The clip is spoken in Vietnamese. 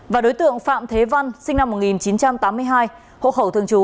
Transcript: và đối tượng phạm thế văn sinh năm một nghìn chín trăm tám mươi hai hộ khẩu thường trú